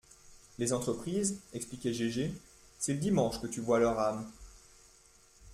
Les entreprises, expliquait Gégé, c’est le dimanche que tu vois leur âme